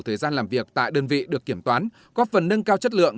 thời gian làm việc tại đơn vị được kiểm toán góp phần nâng cao chất lượng